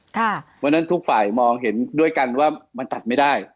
เพราะฉะนั้นทุกฝ่ายมองเห็นด้วยกันว่ามันตัดไม่ได้